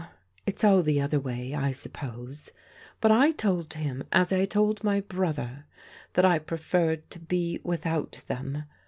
It's all the other way, I suppose. But I told him, as I told my brother, that I preferred to be without them.